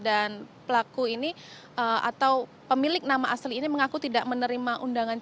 dan pelaku ini atau pemilik nama asli ini mengaku tidak menerima undangan c enam